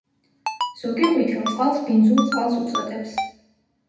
ზოგი ყვითელ წყალს „ბინძურ წყალს“ უწოდებს.